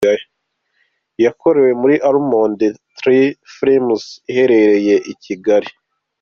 Yakorewe muri Almond Tree Films iherereye i Kigali.